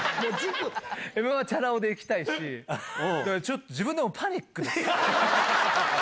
Ｍー１はチャラ男でいきたいし、だからちょっと、自分でもパニックです。